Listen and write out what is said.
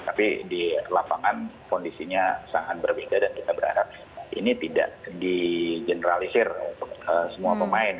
tapi di lapangan kondisinya sangat berbeda dan kita berharap ini tidak di generalisir untuk semua pemain